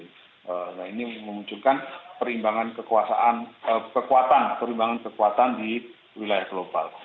nah ini memunculkan perimbangan kekuasaan kekuatan perimbangan kekuatan di wilayah global